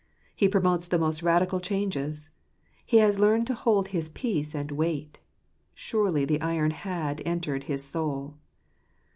He promotes the most radical 1 j changes. He has learned to hold his peace and wait. : Surely the iron had entered his soul!